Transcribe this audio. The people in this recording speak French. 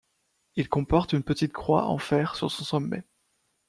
Il comporte une petite croix en fer sur son sommet.